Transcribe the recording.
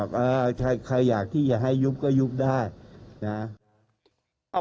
เออใครอยากที่จะให้ยุบก็ยุบได้นะ